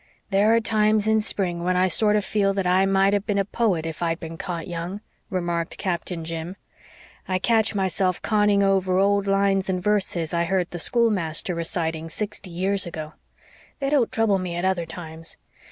"There are times in spring when I sorter feel that I might have been a poet if I'd been caught young," remarked Captain Jim. "I catch myself conning over old lines and verses I heard the schoolmaster reciting sixty years ago. They don't trouble me at other times.